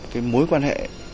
cái mối quan hệ